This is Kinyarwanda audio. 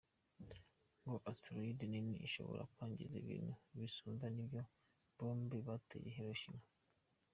Ngo asteroid nini ishobora kwangiza ibintu bisumba nibyo bombe bateye Hiroshima.